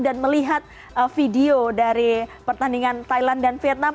dan melihat video dari pertandingan thailand dan vietnam